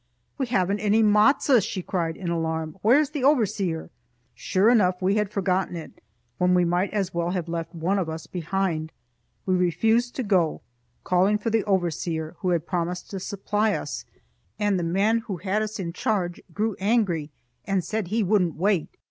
"We haven't any matzo!" she cried in alarm. "Where's the overseer?" Sure enough we had forgotten it, when we might as well have left one of us behind. We refused to go, calling for the overseer, who had promised to supply us, and the man who had us in charge grew angry and said he wouldn't wait.